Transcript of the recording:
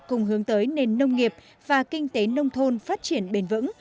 cùng hướng tới nền nông nghiệp và kinh tế nông thôn phát triển bền vững